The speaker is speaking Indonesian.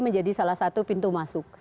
menjadi salah satu pintu masuk